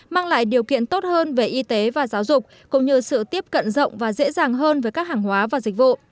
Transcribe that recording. mang lại điều kiện tốt hơn về y tế và giáo dục cũng như sự tiếp cận rộng và dễ dàng hơn với các hàng hóa và dịch vụ